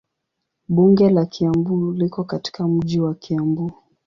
Bunge la Kiambu liko katika mji wa Kiambu.